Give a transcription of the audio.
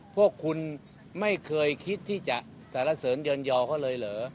พวกคุณไม่เคยคิดที่จะสารเสริญเยินยอเขาเลยเหรอ